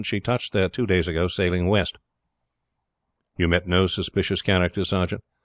She touched there two days ago, sailing west." "You met no suspicious characters, sergeant?"